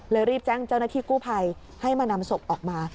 รีบแจ้งเจ้าหน้าที่กู้ภัยให้มานำศพออกมา